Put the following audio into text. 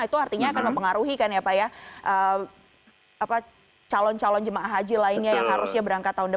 itu artinya akan mempengaruhi calon calon jemaah haji lainnya yang harusnya berangkat